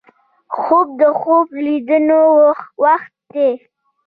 خوب د خوب لیدلو وخت دی